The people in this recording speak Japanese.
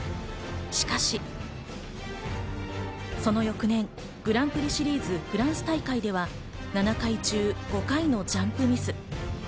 しかし、その翌年、グランプリシリーズフランス大会では７回中５回のジャンプミス。